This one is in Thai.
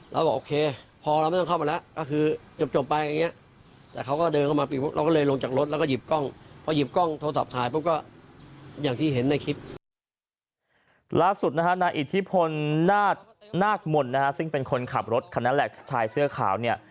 ล่าสุดนะฮะนายอิทธิพลนาศนาคมนต์นะฮะซึ่งเป็นคนขับรถคันนั้นแหละชายเสื้อขาวเนี่ย